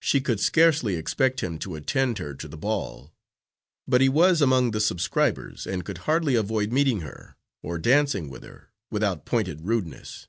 She could scarcely expect him to attend her to the ball; but he was among the subscribers, and could hardly avoid meeting her, or dancing with her, without pointed rudeness.